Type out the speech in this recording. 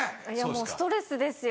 ストレスですよ